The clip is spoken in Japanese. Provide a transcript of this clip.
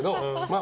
あ